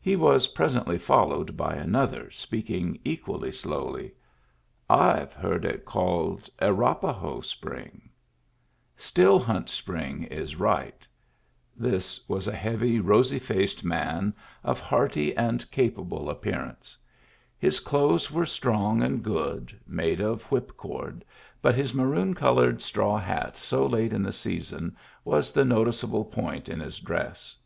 He was presently followed by another, speaking equally slowly: "I've heard it called Arapaho Spring." "Still Hunt Spring is right." This was a heavy, rosy faced man, of hearty and capable Digitized by Google i62 MEMBERS OF THE FAMILY appearance. His clothes were strong and goodt made of whipcord, but his maroon colored straw hat so late in the season was the noticeable point in his dress.